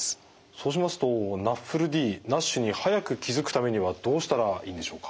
そうしますとＮＡＦＬＤＮＡＳＨに早く気付くためにはどうしたらいいんでしょうか？